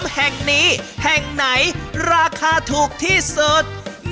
แห่งนี้แห่งไหนราคาถูกที่สุด